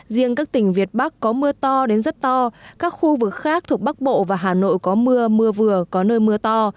riêng các tỉnh việt bắc có mưa to đến rất to các khu vực khác thuộc bắc bộ và hà nội có mưa mưa vừa có nơi mưa to